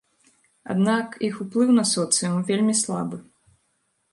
Аднак іх уплыў на соцыум вельмі слабы.